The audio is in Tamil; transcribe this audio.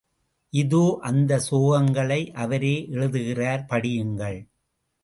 இதோ அந்த சோகங்களை அவரே எழுதுகிறார் படியுங்கள்.